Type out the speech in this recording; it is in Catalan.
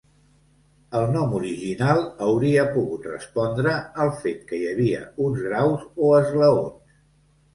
El nom original hauria pogut respondre al fet que hi havia uns graus o esglaons.